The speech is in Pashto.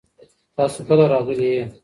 تاسو کله راغلي یئ؟